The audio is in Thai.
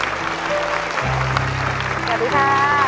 สวัสดีค่ะ